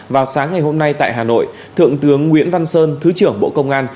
vào sáng ngày hôm nay tại hà nội thượng tướng nguyễn văn sơn thứ trưởng bộ công an